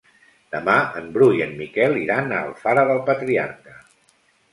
Demà en Bru i en Miquel iran a Alfara del Patriarca.